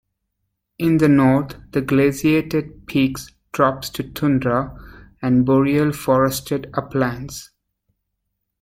In the north the glaciated peaks drop to tundra and boreal forested uplands.